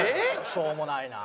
しょうもないなあ。